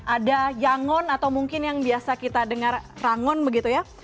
ada yangon atau mungkin yang biasa kita dengar rangon begitu ya